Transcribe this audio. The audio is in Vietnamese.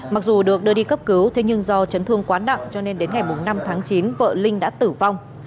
mặc dù được đưa đi cấp cứu thế nhưng do chấn thương quá nặng cho nên đến ngày năm tháng chín vợ linh đã tử vong